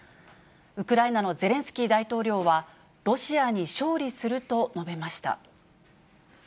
ウクライナのゼレンスキー大統領は、ロシアに勝利すると述べました。